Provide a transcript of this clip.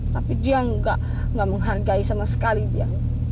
tapi dia tidak menghargai sama sekali dia